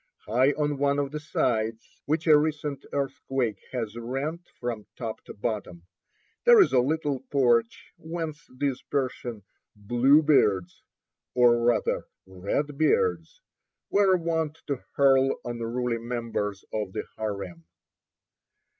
High on one of the sides, which a recent earthquake has rent from top to bottom, there is a little porch whence these Persian "Bluebeards," or rather Redbeards, were wont to hurl unruly members of the harem.